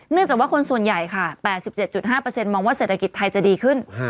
จากว่าคนส่วนใหญ่ค่ะ๘๗๕มองว่าเศรษฐกิจไทยจะดีขึ้น